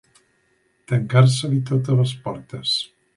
Tancar-se-li totes les portes.